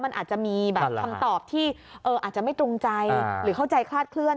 มันอาจจะมีแบบคำตอบที่อาจจะไม่ตรงใจหรือเข้าใจคลาดเคลื่อ